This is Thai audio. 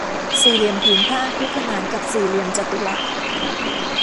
สี่เหลี่ยมผืนผ้าคู่ขนานกับสี่เหลี่ยมจัตุรัส